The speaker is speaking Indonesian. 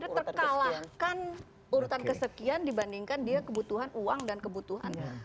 jadi terkalahkan urutan kesekian dibandingkan dia kebutuhan uang dan kebutuhan